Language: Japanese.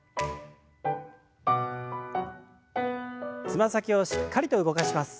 つま先をしっかりと動かします。